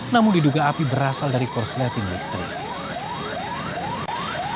namun diduga api berasal dari korsleting listrik